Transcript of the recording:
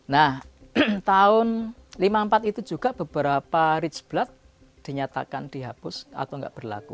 nah tahun seribu sembilan ratus lima puluh empat itu juga beberapa rich blood dinyatakan dihapus atau nggak berlaku